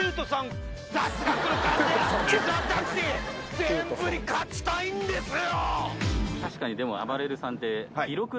全部に勝ちたいんですよ！